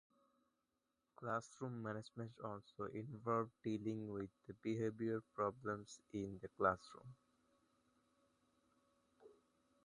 Classroom management also involves dealing with the behavior problems in the classroom.